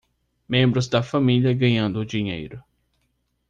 Membros da família ganhando dinheiro